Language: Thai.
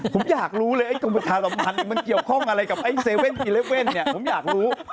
ผมอยากรู้เลยไอ้ตรงประชาสัมพันธ์มันเกี่ยวข้องอะไรกับไอ้๗๑๑เนี่ยผมอยากรู้